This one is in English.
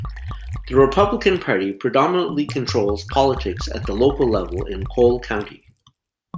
The Republican Party predominantly controls politics at the local level in Cole County.